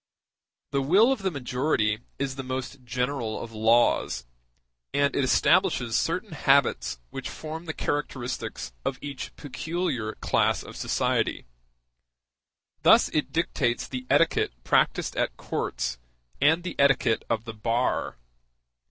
The will of the majority is the most general of laws, and it establishes certain habits which form the characteristics of each peculiar class of society; thus it dictates the etiquette practised at courts and the etiquette of the bar.